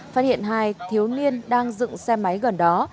phát hiện hai thiếu niên đang dựng xe máy gần đó